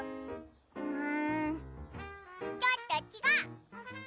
うんちょっとちがう！